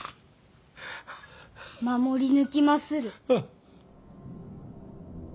守り抜きまする。